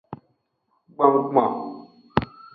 Gbongbon.